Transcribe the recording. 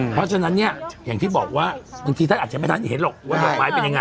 เพราะฉะนั้นเนี่ยอย่างที่บอกว่าบางทีไม่เห็นหรอกว่าถามไหมมันยังไง